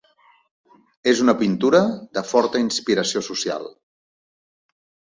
És una pintura de forta inspiració social.